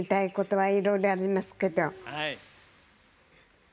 はい。